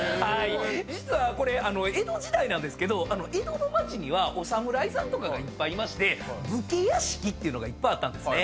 実はこれ江戸時代なんですけど江戸の町にはお侍さんとかがいっぱいいまして武家屋敷っていうのがいっぱいあったんですね。